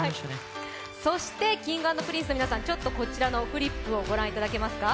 そしてＫｉｎｇ＆Ｐｒｉｎｃｅの皆さん、こちらのフリップご覧いただけますか。